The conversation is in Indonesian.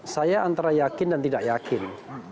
saya antara yakin dan tidak yakin